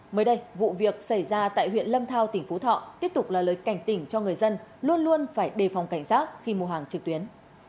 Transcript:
mới đây vụ việc xảy ra tại huyện lâm thao tỉnh phú thọ tiếp tục là lời cảnh tỉnh cho người dân luôn luôn phải đề phòng cảnh giác khi mua hàng trực tuyến